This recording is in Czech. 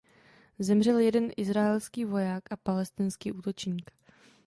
Zemřel jeden izraelský voják a palestinský útočník.